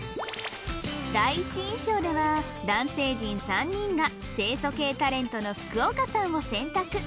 第一印象では男性陣３人が清楚系タレントの福岡さんを選択